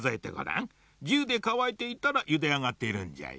１０でかわいていたらゆであがっているんじゃよ。